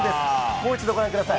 もう一度ご覧ください。